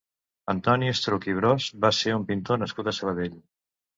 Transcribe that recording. Antoni Estruch i Bros va ser un pintor nascut a Sabadell.